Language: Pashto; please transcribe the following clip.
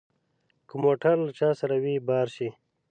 که موټر له چا سره وي بار شي.